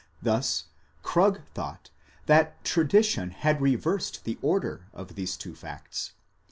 Thus Krug thought that tradition had reversed the order of these two facts.